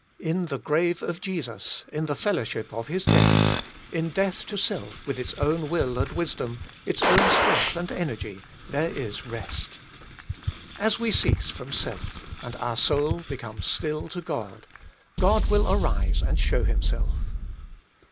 In the grave of Jesus, in the fellowship of His death, in death to self with its own will and wisdom, its own strength and energy, there is rest. As we cease from self, and our soul be comes still to God, God will arise and show Himself.